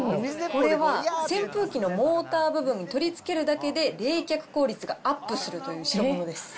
これは扇風機のモーター部分に取り付けるだけで、冷却効率がアップするという代物です。